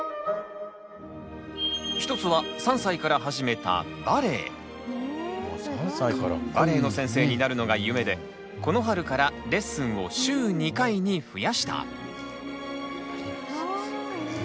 一つは３歳から始めたバレエの先生になるのが夢でこの春からレッスンを週２回に増やした。